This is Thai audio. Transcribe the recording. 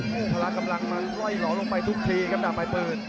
โหพ๑๙๑๔ล้องล่องลงไปทุกทีครับดาบไว้ปืน